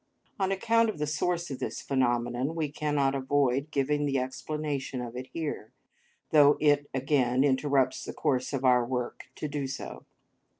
On account of the source of this phenomenon, we cannot avoid giving the explanation of it here, though it again interrupts the course of our work to do so.